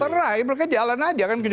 terserah ya mereka jalan aja kan